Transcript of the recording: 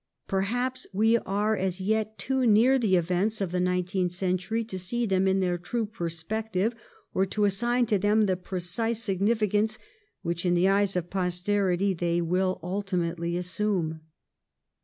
Perhaps we are as yet too near the events of the nineteenth century to see them in their tiTie perspective, or to assign to them the precise significance which, in the eyes of posterity, they will ultimately assume.